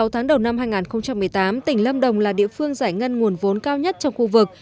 sáu tháng đầu năm hai nghìn một mươi tám tỉnh lâm đồng là địa phương giải ngân nguồn vốn cao nhất trong khu vực